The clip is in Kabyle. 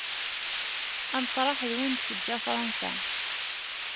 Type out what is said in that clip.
Ameṭreḥ d win teǧǧa Fransa.